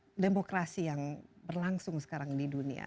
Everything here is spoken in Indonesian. apa demokrasi yang berlangsung sekarang di dunia